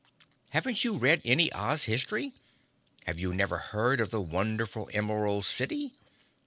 Haven't you read any Oz history? Have you never heard of the wonderful Emerald City?